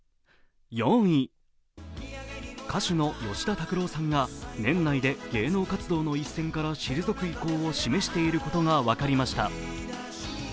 歌手の吉田拓郎さんが年内で芸能活動の一線から退く意向を示していることが分かりました。